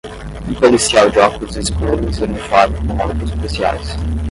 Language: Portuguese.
Um policial de óculos escuros e uniforme com outros policiais